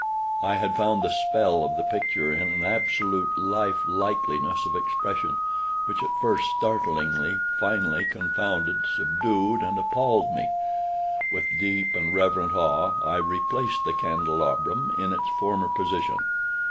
I had found the spell of the picture in an absolute life likeliness of expression, which, at first startling, finally confounded, subdued, and appalled me. With deep and reverent awe I replaced the candelabrum in its former position.